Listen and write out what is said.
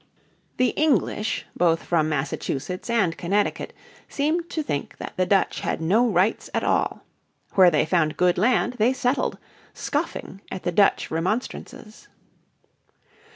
The English, both from Massachusetts and Connecticut, seemed to think that the Dutch had no rights at all. Where they found good land they settled, scoffing at the Dutch remonstrances.